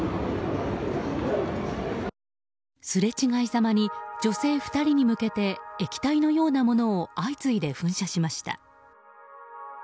すれ違いざまに女性２人に向けて液体のようなものを相次いで噴射しました。